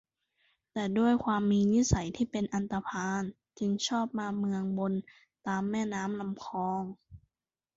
แต่ด้วยความมีนิสัยที่เป็นอันธพาล จึงชอบมาเมืองบนตามแม่น้ำลำคลอง